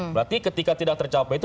berarti ketika tidak tercapai itu